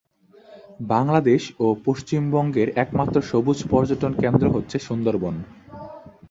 বাংলাদেশ ও পশ্চিমবঙ্গের একমাত্র সবুজ পর্যটন কেন্দ্র হচ্ছে সুন্দরবন।